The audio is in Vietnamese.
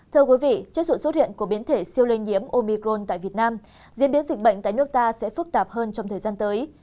thưa quý vị trước sự xuất hiện của biến thể siêu lây nhiễm omicron tại việt nam diễn biến dịch bệnh tại nước ta sẽ phức tạp hơn trong thời gian tới